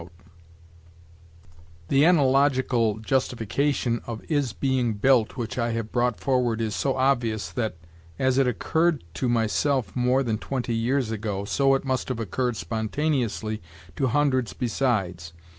"The analogical justification of is being built which I have brought forward is so obvious that, as it occurred to myself more than twenty years ago, so it must have occurred spontaneously to hundreds besides.